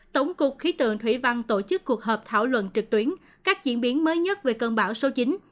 tổng cục khí tượng thủy văn tổ chức cuộc họp thảo luận trực tuyến các diễn biến mới nhất về cơn bão số chín